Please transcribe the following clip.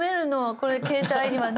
これ携帯にはね。